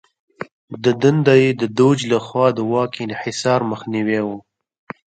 د دنده یې د دوج لخوا د واک انحصار مخنیوی و.